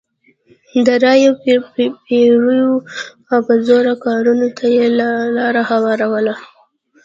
د رایو پېرلو او په زور کارونې ته یې لار هواروله.